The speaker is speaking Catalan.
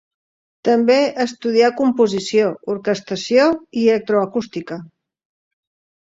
També estudià composició, orquestració i electroacústica.